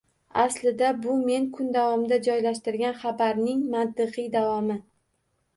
Aslida, bu men kun davomida joylashtirgan xabarning mantiqiy davomi